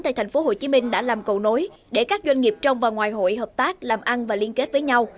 tại tp hcm đã làm cầu nối để các doanh nghiệp trong và ngoài hội hợp tác làm ăn và liên kết với nhau